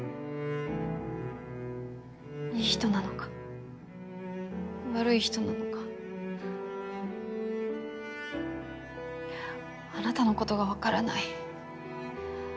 いい人なのか悪い人なのかあなたの事がわからない。